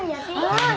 ああ。